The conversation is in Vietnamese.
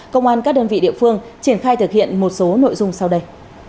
công an các đơn vị địa phương triển khai thực hiện một số nội dung sau đây